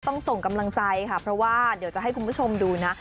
ส่งกำลังใจค่ะเพราะว่าเดี๋ยวจะให้คุณผู้ชมดูนะ